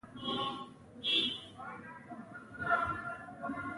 د راتلونکي ډیزاین کولو په اړه فکر کول